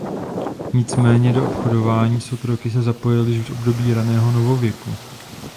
Nicméně do obchodování s otroky se zapojili již v období raného novověku.